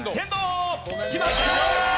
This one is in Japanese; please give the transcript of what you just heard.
決まったー！